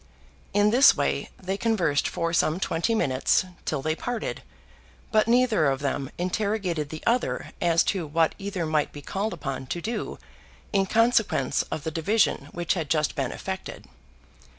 In this way they conversed for some twenty minutes, till they parted; but neither of them interrogated the other as to what either might be called upon to do in consequence of the division which had just been effected.